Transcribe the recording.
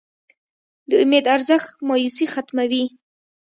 د امید ارزښت مایوسي ختموي.